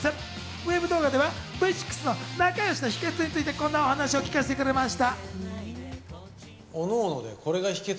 ＷＥＢ動画ではＶ６の仲よしの秘訣についてこんなお話を聞かせてくれました。